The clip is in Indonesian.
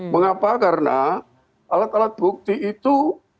mengapa karena alat alat bukti itu